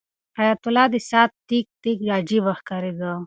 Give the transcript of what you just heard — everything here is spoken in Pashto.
حیات الله ته د ساعت تیک تیک عجیبه ښکارېده.